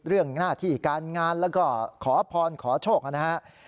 เรื่องหน้าที่การงานแล้วก็ขอพรขอโชคนะครับ